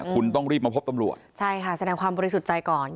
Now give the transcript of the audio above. คุณต้องรีบมาพบตำรวจใช่ค่ะแสดงความบริสุทธิ์ใจก่อน